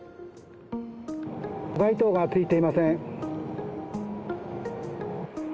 街灯がついていません。